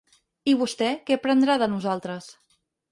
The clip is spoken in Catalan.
I vostè, què prendrà de nosaltres?